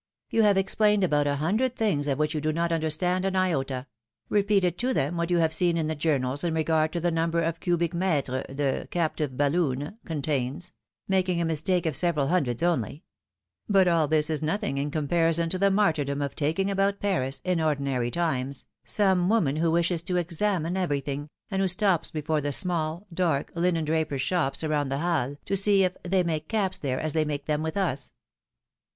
You have explained about a hundred things of which you do not understand an iota; repeated to them what you have seen in the journals in regard to the number of cubic mitres the captive balloon contains, making a mistake of several hundreds only; but all this is nothing in comparison to the martyrdom of taking about Paris, in ordinary times, some woman who wishes to examine everything, and who stops before the small, dark, linen drapers^ shops around the Halles, to see ^4f they make caps there as they make them with us.^^ PHILOMilNE's MAREIAGES.